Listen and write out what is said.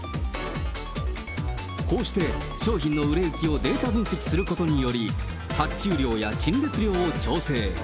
こうして商品の売れ行きをデータ分析することにより、発注量や陳列量を調整。